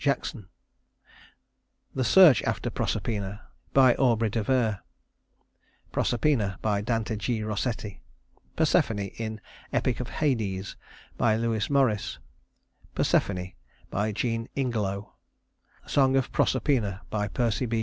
JACKSON The Search after Proserpine AUBREY DE VERE Proserpine DANTE G. ROSSETTI Persephone in "Epic of Hades" LEWIS MORRIS Persephone JEAN INGELOW Song of Proserpina PERCY B.